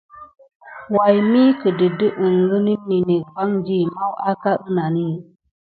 Way mi kədə di əŋgənən ninek vandi? Maw aka ənani.